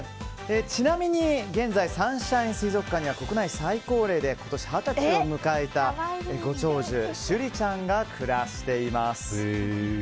ちなみに現在、サンシャイン水族館には国内最高齢で今年、二十歳を迎えたご長寿シュリちゃんが暮らしています。